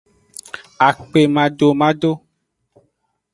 Akpemadomado.